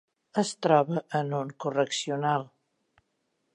Es troba en un correccional.